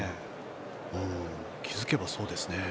気付けばそうですね。